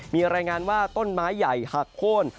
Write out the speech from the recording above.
มีรายงานว่าต้นไม้ใหญ่หักโค้น